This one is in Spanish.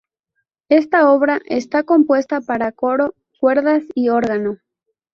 Esta obra está compuesta para coro, cuerdas y órgano.